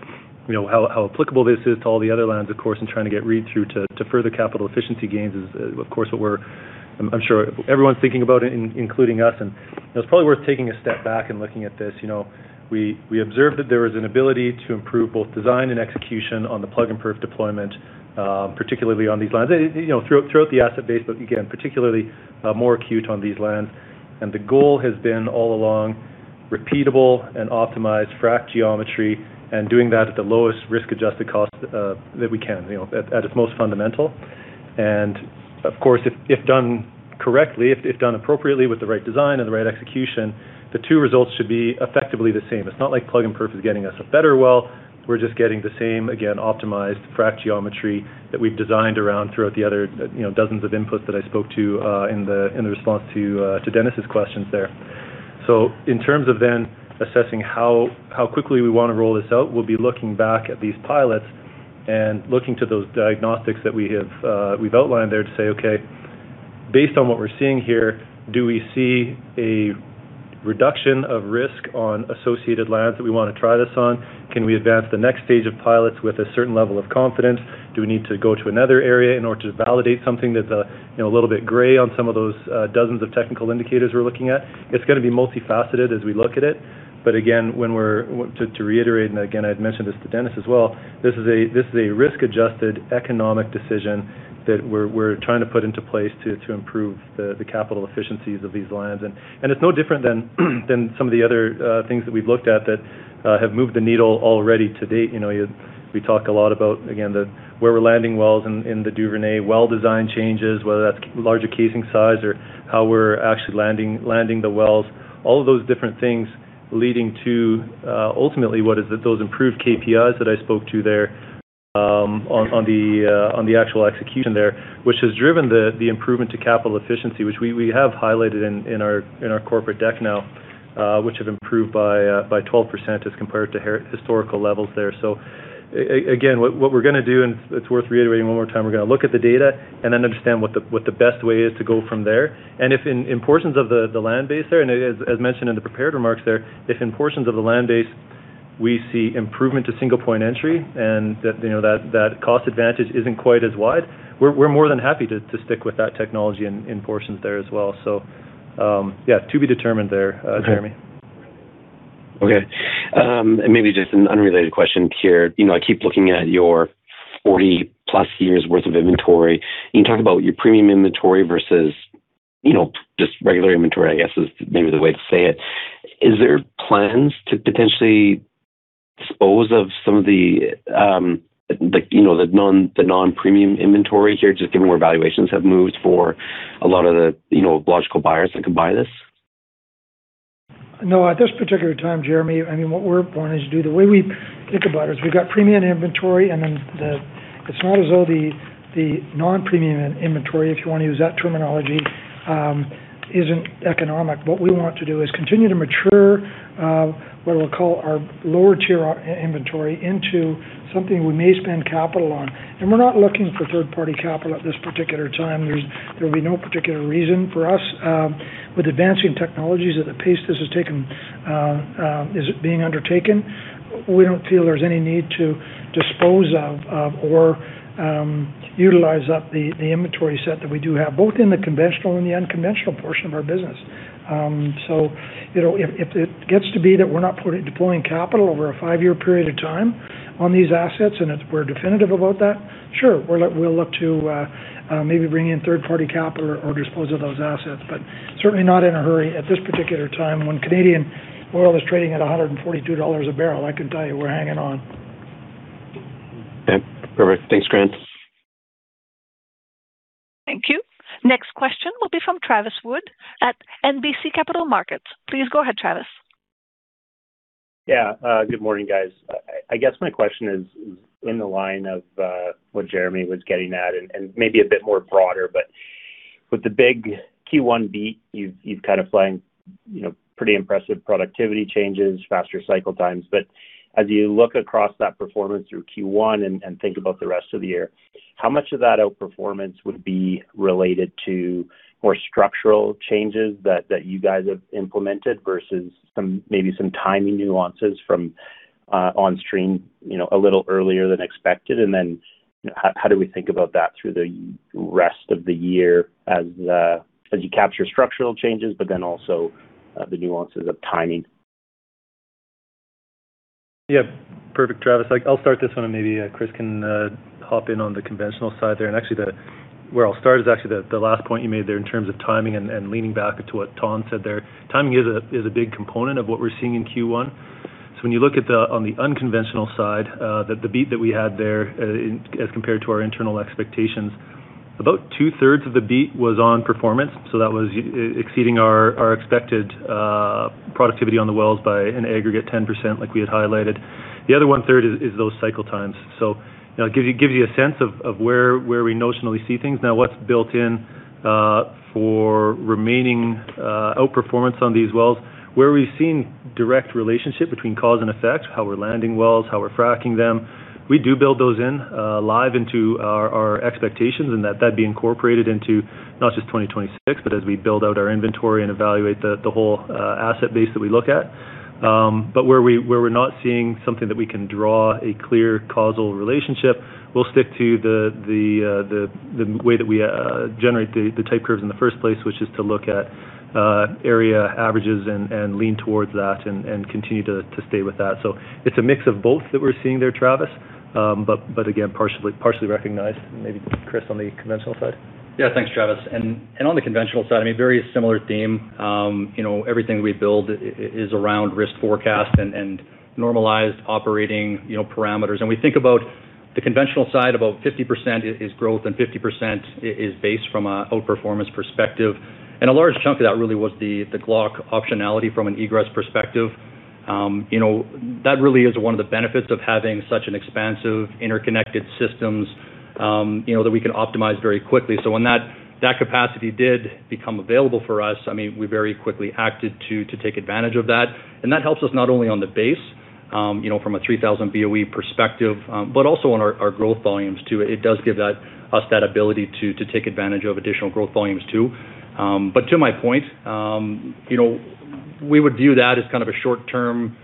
you know, how applicable this is to all the other lands, of course, and trying to get read through to further capital efficiency gains is, of course, I'm sure everyone's thinking about it, including us. It's probably worth taking a step back and looking at this. You know, we observed that there was an ability to improve both design and execution on the plug-and-perf deployment, particularly on these lands. You know, throughout the asset base, but again, particularly more acute on these lands. The goal has been all along repeatable and optimized frac geometry and doing that at the lowest risk-adjusted cost that we can, you know, at its most fundamental. Of course, if done correctly, if done appropriately with the right design and the right execution, the two results should be effectively the same. It's not like plug-and-perf is getting us a better well. We're just getting the same, again, optimized frack geometry that we've designed around throughout the other, you know, dozens of inputs that I spoke to in the, in the response to Dennis's questions there. In terms of then assessing how quickly we wanna roll this out, we'll be looking back at these pilots and looking to those diagnostics that we have, we've outlined there to say, okay, based on what we're seeing here, do we see a reduction of risk on associated lands that we wanna try this on? Can we advance the next stage of pilots with a certain level of confidence? Do we need to go to another area in order to validate something that's, you know, a little bit gray on some of those dozens of technical indicators we're looking at? It's gonna be multifaceted as we look at it. Again, to reiterate, and again, I'd mentioned this to Dennis as well, this is a, this is a risk-adjusted economic decision that we're trying to put into place to improve the capital efficiencies of these lands. It's no different than some of the other things that we've looked at that have moved the needle already to date. You know, we talk a lot about, again, where we're landing wells in the Duvernay well design changes, whether that's larger casing size or how we're actually landing the wells, all of those different things leading to ultimately what is those improved KPIs that I spoke to there on the actual execution there, which has driven the improvement to capital efficiency, which we have highlighted in our corporate deck now, which have improved by 12% as compared to historical levels there. Again, what we're gonna do, and it's worth reiterating one more time, we're gonna look at the data and then understand what the best way is to go from there. If in portions of the land base there, as mentioned in the prepared remarks there, if in portions of the land base, we see improvement to single-point entry and that, you know, that cost advantage isn't quite as wide, we're more than happy to stick with that technology in portions there as well. Yeah, to be determined there, Jeremy. Okay. Maybe just an unrelated question here. You know, I keep looking at your 40 plus years worth of inventory. You talk about your premium inventory versus, you know, just regular inventory, I guess, is maybe the way to say it. Is there plans to potentially dispose of some of the, like, you know, the non-premium inventory here, just given where valuations have moved for a lot of the, you know, logical buyers that can buy this? No, at this particular time, Jeremy McCrea, I mean, what we're wanting to do, the way we think about it is we've got premium inventory, and then it's not as though the non-premium inventory, if you wanna use that terminology, isn't economic. What we want to do is continue to mature what I'll call our lower tier inventory into something we may spend capital on. We're not looking for third-party capital at this particular time. There'll be no particular reason for us with advancing technologies at the pace this has taken is being undertaken. We don't feel there's any need to dispose of or utilize up the inventory set that we do have, both in the conventional and the unconventional portion of our business. You know, if it gets to be that we're not deploying capital over a five-year period of time on these assets, and we're definitive about that, sure, we'll look, we'll look to maybe bring in third-party capital or dispose of those assets. Certainly not in a hurry at this particular time when Canadian oil is trading at 142 dollars a barrel, I can tell you we're hanging on. Okay. Perfect. Thanks, Grant. Thank you. Next question will be from Travis Wood at National Bank Financial. Please go ahead, Travis. Good morning, guys. I guess my question is in the line of what Jeremy was getting at and maybe a bit more broader, but with the big Q1 beat, you've kind of playing pretty impressive productivity changes, faster cycle times. As you look across that performance through Q1 and think about the rest of the year, how much of that outperformance would be related to more structural changes that you guys have implemented versus some, maybe some timing nuances from onstream a little earlier than expected? How do we think about that through the rest of the year as you capture structural changes, but then also the nuances of timing? Yeah. Perfect, Travis Wood. I'll start this one and maybe Chris Bullin can hop in on the conventional side there. Actually, where I'll start is actually the last point you made there in terms of timing and leaning back to what Thanh Kang said there. Timing is a big component of what we're seeing in Q1. When you look at the unconventional side, the beat that we had there, as compared to our internal expectations, about two-thirds of the beat was on performance, so that was exceeding our expected productivity on the wells by an aggregate 10% like we had highlighted. The other one-third is those cycle times. You know, it gives you a sense of where we notionally see things. What's built in for remaining outperformance on these wells, where we've seen direct relationship between cause and effect, how we're landing wells, how we're fracking them, we do build those in live into our expectations and that'd be incorporated into not just 2026, but as we build out our inventory and evaluate the whole asset base that we look at. Where we're not seeing something that we can draw a clear causal relationship, we'll stick to the way that we generate the type curves in the first place, which is to look at area averages and lean towards that and continue to stay with that. It's a mix of both that we're seeing there, Travis. But again, partially recognized. Maybe Chris on the conventional side. Thanks, Travis. On the conventional side, very similar theme. Everything we build is around risk forecast and normalized operating, you know, parameters. We think about the conventional side, about 50% is growth and 50% is base from an outperformance perspective. A large chunk of that really was the Glauconite optionality from an egress perspective. That really is one of the benefits of having such an expansive interconnected systems, you know, that we can optimize very quickly. When that capacity did become available for us, we very quickly acted to take advantage of that. That helps us not only on the base, you know, from a 3,000 BOE perspective, but also on our growth volumes too. It does give us that ability to take advantage of additional growth volumes too. But to my point, you know, we would view that as kind of a short term,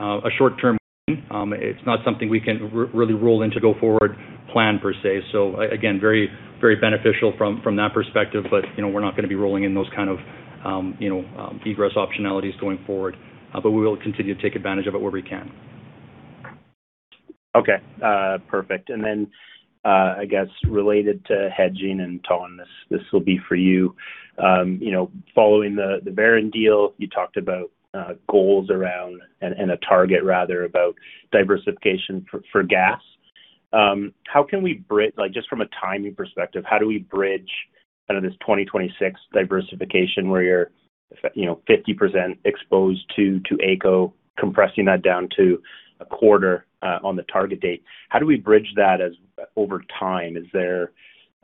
a short term gain. It's not something we can really roll into go forward plan per se. Again, very, very beneficial from that perspective. You know, we're not gonna be rolling in those kind of, you know, egress optionalities going forward. We will continue to take advantage of it where we can. Okay. Perfect. I guess related to hedging, and Thanh, this will be for you. You know, following the Veren deal, you talked about goals around and a target rather about diversification for gas. How can we just from a timing perspective, how do we bridge kind of this 2026 diversification where you're, you know, 50% exposed to AECO compressing that down to a quarter on the target date? How do we bridge that as over time? Is there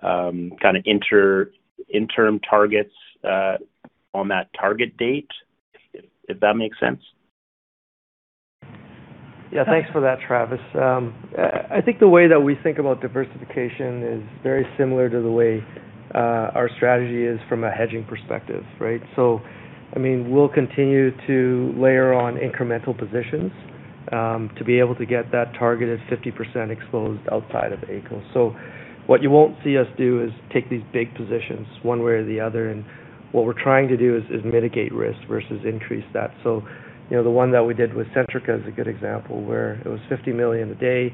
kind of interim targets on that target date, if that makes sense? Yeah. Thanks for that, Travis. I think the way that we think about diversification is very similar to the way our strategy is from a hedging perspective, right? I mean, we'll continue to layer on incremental positions to be able to get that target of 50% exposed outside of AECO. What you won't see us do is take these big positions one way or the other. What we're trying to do is mitigate risk versus increase that. You know, the one that we did with Centrica is a good example where it was 50 million a day.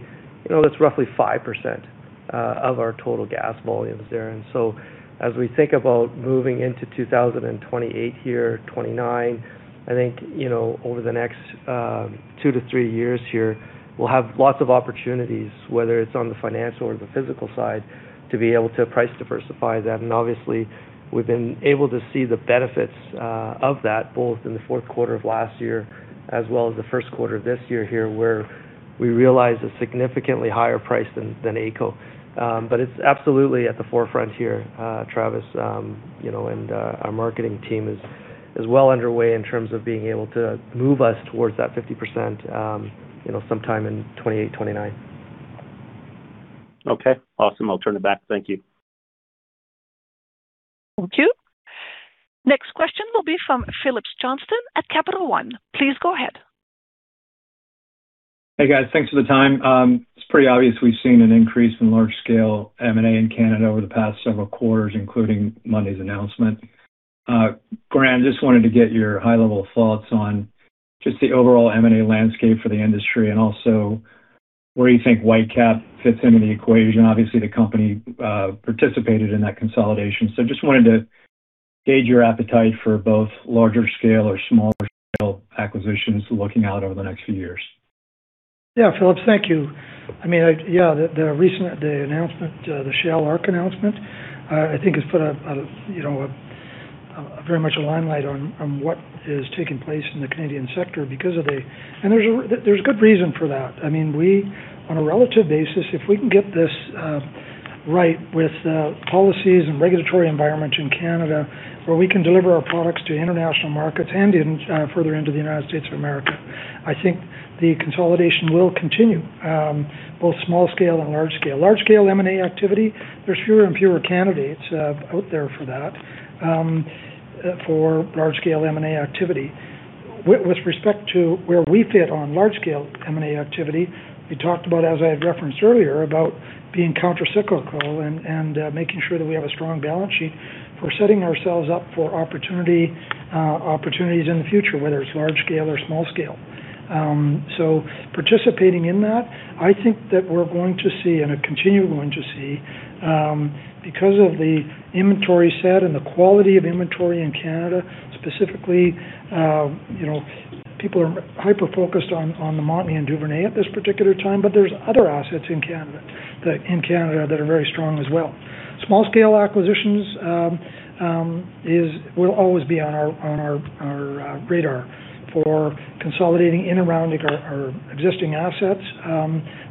You know, that's roughly 5% of our total gas volumes there. As we think about moving into 2028 year, 2029, I think, you know, over the next two to three years here, we'll have lots of opportunities, whether it's on the financial or the physical side, to be able to price diversify that. Obviously, we've been able to see the benefits of that both in the fourth quarter of last year as well as the first quarter of this year here, where we realized a significantly higher price than AECO. It's absolutely at the forefront here, Travis. You know, our marketing team is well underway in terms of being able to move us towards that 50%, you know, sometime in 2028-2029. Okay. Awesome. I'll turn it back. Thank you. Thank you. Next question will be from Phillips Johnston at Capital One. Please go ahead. Hey, guys. Thanks for the time. It's pretty obvious we've seen an increase in large scale M&A in Canada over the past several quarters, including Monday's announcement. Grant, just wanted to get your high level thoughts on just the overall M&A landscape for the industry and also where you think Whitecap fits into the equation. Obviously, the company participated in that consolidation. Just wanted to gauge your appetite for both larger scale or smaller acquisitions looking out over the next few years. Phillips, thank you. The announcement, the Shell ARC announcement, I think has put very much a limelight on what is taking place in the Canadian sector. There's good reason for that. We, on a relative basis, if we can get this right with policies and regulatory environment in Canada where we can deliver our products to international markets and further into the United States of America, I think the consolidation will continue, both small scale and large scale. Large scale M&A activity, there's fewer and fewer candidates out there for that, for large scale M&A activity. With respect to where we fit on large scale M&A activity, we talked about, as I had referenced earlier, about being countercyclical and making sure that we have a strong balance sheet for setting ourselves up for opportunity, opportunities in the future, whether it's large scale or small scale. Participating in that, I think that we're going to see and are continually going to see, because of the inventory set and the quality of inventory in Canada, specifically, you know, people are hyper-focused on the Montney and Duvernay at this particular time, but there's other assets in Canada that in Canada that are very strong as well. Small scale acquisitions will always be on our radar for consolidating in around our existing assets.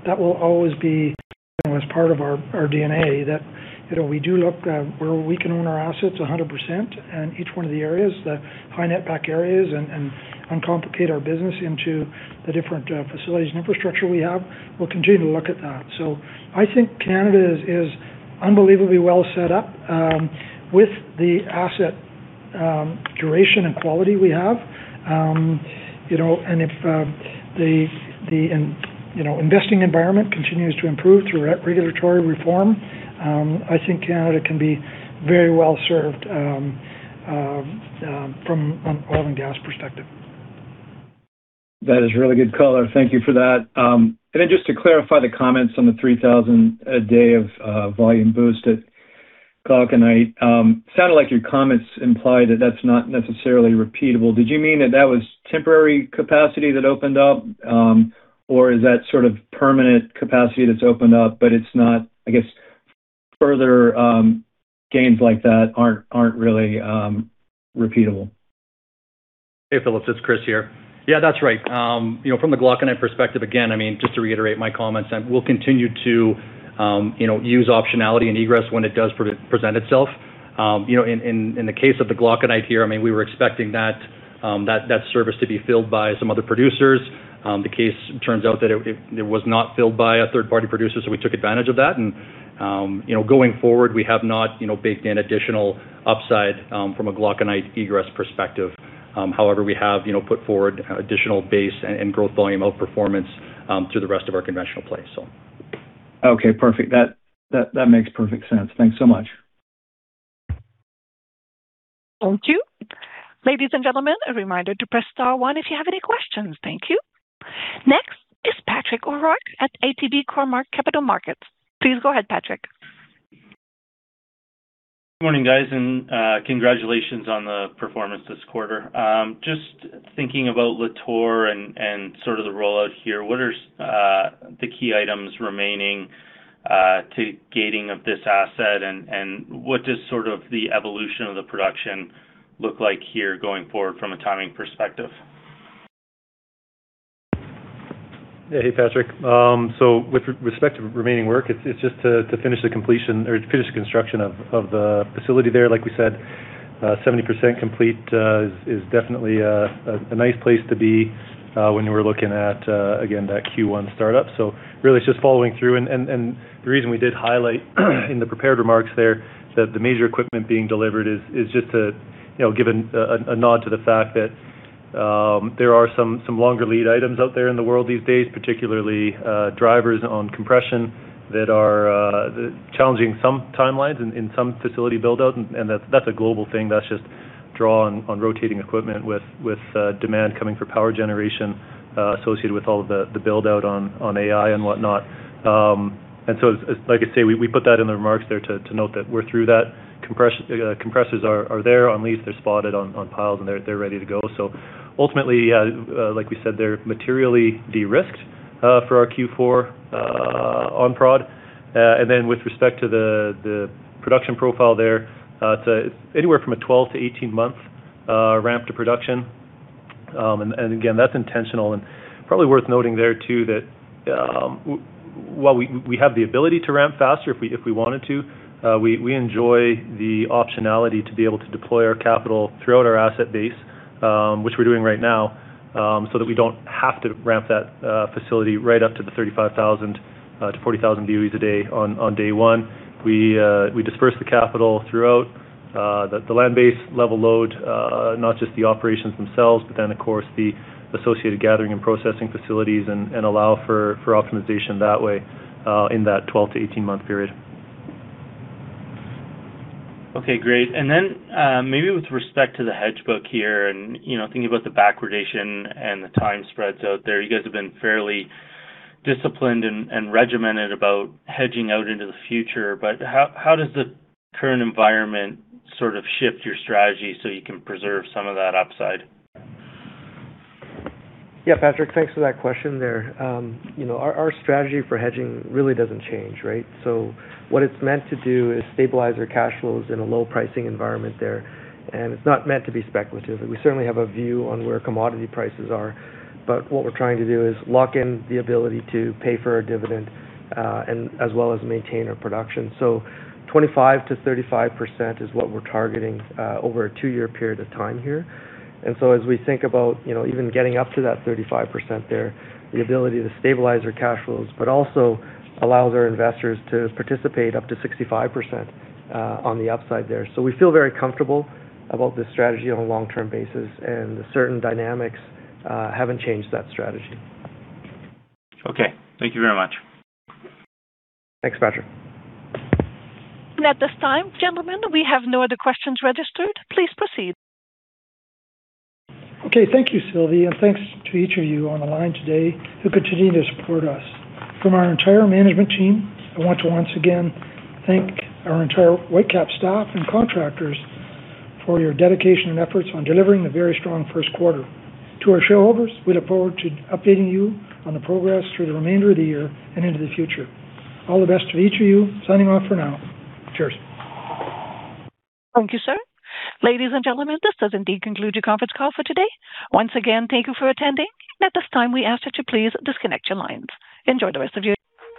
That will always be, you know, as part of our DNA that, you know, we do look where we can own our assets 100% in each one of the areas, the high net back areas and uncomplicate our business into the different facilities and infrastructure we have. We'll continue to look at that. I think Canada is unbelievably well set up with the asset duration and quality we have. You know, if the investing environment continues to improve through re-regulatory reform, I think Canada can be very well served from an oil and gas perspective. That is really good color. Thank you for that. Just to clarify the comments on the 3,000 a day of volume boost at Glauconite. Sounded like your comments imply that that's not necessarily repeatable. Did you mean that that was temporary capacity that opened up, or is that sort of permanent capacity that's opened up, but I guess further gains like that aren't really repeatable? Hey, Phillips, it's Chris here. Yeah, that's right. You know, from the Glauconite perspective, again, I mean, just to reiterate my comments, and we'll continue to, you know, use optionality and egress when it does present itself. You know, in the case of the Glauconite here, I mean, we were expecting that service to be filled by some other producers. The case turns out that it was not filled by a third-party producer. We took advantage of that. You know, going forward, we have not, you know, baked in additional upside from a Glauconite egress perspective. However, we have, you know, put forward additional base and growth volume outperformance through the rest of our conventional plays. Okay, perfect. That makes perfect sense. Thanks so much. Thank you. Ladies and gentlemen, a reminder to press star one if you have any questions. Thank you. Next is Patrick O'Rourke at ATB Cormark Capital Markets. Please go ahead, Patrick. Good morning, guys, and congratulations on the performance this quarter. Just thinking about Lator and sort of the rollout here, what are the key items remaining to gating of this asset? What does sort of the evolution of the production look like here going forward from a timing perspective? Hey, Patrick. So with respect to remaining work, it's just to finish the completion or to finish the construction of the facility there. Like we said, 70% complete is definitely a nice place to be when we're looking at again, that Q1 startup. Really it's just following through. The reason we did highlight in the prepared remarks there that the major equipment being delivered is just to, you know, give a nod to the fact that there are some longer lead items out there in the world these days, particularly drivers on compression that are challenging some timelines in some facility build out. That's, that's a global thing that's just drawn on rotating equipment with demand coming for power generation associated with all of the build out on AI and whatnot. As, like I say, we put that in the remarks there to note that we're through that. Compressors are there on lease. They're spotted on piles, and they're ready to go. Ultimately, like we said, they're materially de-risked for our Q4 on prod. With respect to the production profile there, it's anywhere from a 12 to 18 month ramp to production. Again, that's intentional. Probably worth noting there too that, while we have the ability to ramp faster if we wanted to, we enjoy the optionality to be able to deploy our capital throughout our asset base, which we're doing right now, so that we don't have to ramp that facility right up to the 35,000 to 40,000 BOEs a day on day one. We disperse the capital throughout the land base level load, not just the operations themselves, but then of course the associated gathering and processing facilities and allow for optimization that way in that 12 to 18 month period. Okay. Great. Maybe with respect to the hedge book here and, you know, thinking about the backwardation and the time spreads out there, you guys have been fairly disciplined and regimented about hedging out into the future. How does the current environment sort of shift your strategy so you can preserve some of that upside? Yeah, Patrick, thanks for that question there. You know, our strategy for hedging really doesn't change, right? What it's meant to do is stabilize our cash flows in a low pricing environment there, and it's not meant to be speculative. We certainly have a view on where commodity prices are, but what we're trying to do is lock in the ability to pay for our dividend, and as well as maintain our production. 25%-35% is what we're targeting over a two-year period of time here. As we think about, you know, even getting up to that 35% there, the ability to stabilize our cash flows, but also allows our investors to participate up to 65% on the upside there. We feel very comfortable about this strategy on a long-term basis, and certain dynamics, haven't changed that strategy. Okay. Thank you very much. Thanks, Patrick. At this time, gentlemen, we have no other questions registered. Please proceed. Okay. Thank you, Sylvie. Thanks to each of you on the line today who continue to support us. From our entire management team, I want to once again thank our entire Whitecap staff and contractors for your dedication and efforts on delivering a very strong first quarter. To our shareholders, we look forward to updating you on the progress through the remainder of the year and into the future. All the best to each of you. Signing off for now. Cheers. Thank you, sir. Ladies and gentlemen, this does indeed conclude your conference call for today. Once again, thank you for attending. At this time, we ask that you please disconnect your lines. Enjoy the rest of your day.